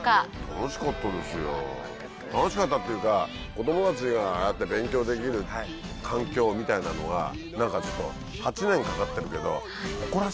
楽しかったですよ楽しかったっていうか子供たちがああやって勉強できる環境みたいなのが何かちょっと８年かかってるけど誇らしげだね。